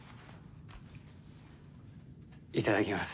いただきます。